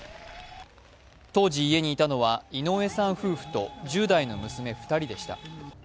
当時、家に居たのは井上さん夫婦と１０代の娘、２人でした。